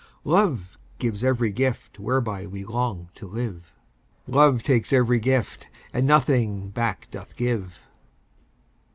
Love gives every gift whereby we long to live "Love takes every gift, and nothing back doth give."